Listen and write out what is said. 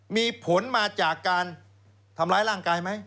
มีผลมาจากการทำร้ายร่างกายไหม